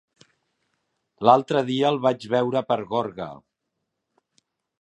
L'altre dia el vaig veure per Gorga.